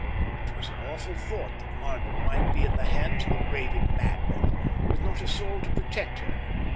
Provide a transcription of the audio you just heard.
It was an awful thought that Margaret might be in the hands of a raving madman, with not a soul to protect her.